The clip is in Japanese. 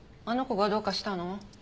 あの子がどうかしたの？